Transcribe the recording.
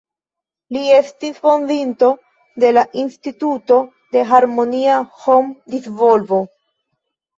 Li estis fondinto de la Instituto de Harmonia Hom-Disvolvo.